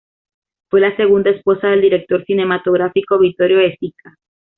Fue la segunda esposa del director cinematográfico Vittorio De Sica.